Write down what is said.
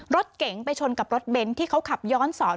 รถเก๋งไปชนกับรถเบนท์ที่เขาขับย้อนสอน